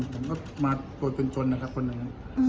ผมก็มาตัวตุ้นจนนะครับคนหนึ่ง